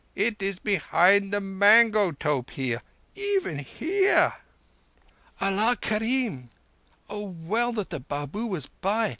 It is behind the mango tope here—even here!" "Allah kerim! Oh, well that the Babu was by!